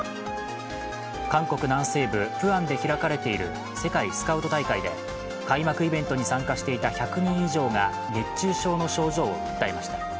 韓国南西部プアンで開かれている世界スカウト大会で開幕イベントに参加していた１００人以上が熱中症の症状を訴えました。